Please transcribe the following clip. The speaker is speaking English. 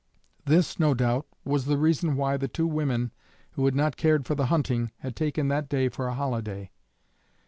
This, no doubt, was the reason why the two women who had not cared for the hunting had taken that day for a holiday.